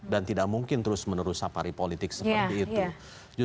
dan tidak mungkin terus menurut safari politik seperti itu